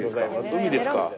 海ですか。